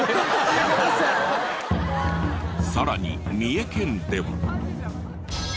さらに三重県では。